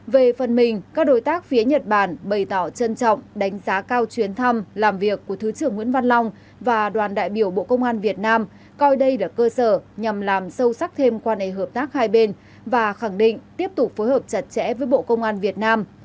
về phần mình các đối tác phía nhật bản bày tỏ trân trọng đánh giá cao chuyến thăm làm việc của thứ trưởng nguyễn văn long và đoàn đại biểu bộ công an việt nam coi đây là cơ sở nhằm làm sâu sắc thêm quan hệ hợp tác hai bên và khẳng định tiếp tục phối hợp chặt chẽ với bộ công an việt nam